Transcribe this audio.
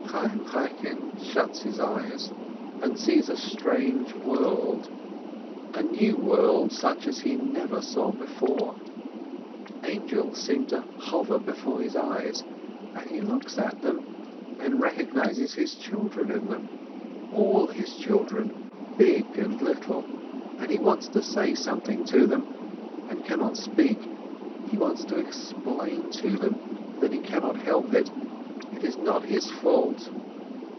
Chayyim Chaikin shuts his eyes, and sees a strange world, a new world, such as he never saw before. Angels seem to hover before his eyes, and he looks at them, and recognizes his children in them, all his children, big and little, and he wants to say something to them, and cannot speak — he wants to explain to them, that he cannot help it — it is not his fault!